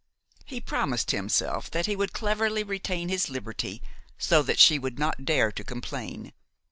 He promised himself that he would cleverly retain his liberty, so that she would not dare to complain.